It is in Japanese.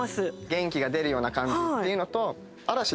元気が出るような感じっていうのと。